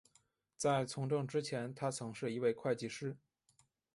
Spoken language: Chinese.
在从政之前他曾是一位会计师。